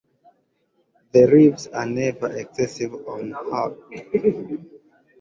The ribs are never excessive on the hull.